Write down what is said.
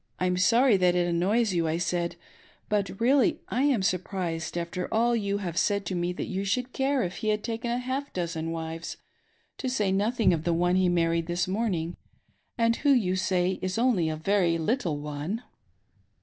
I'm sorry that it annoys you," I said, " but really I am sur CHARLOTTE WITH THE GOLDEN HAIR. 5S7 prised after all you have said to me that you should care if he had taken half a dozen wives, to say nothing of the one he married this morning, and who you say is only a very little one.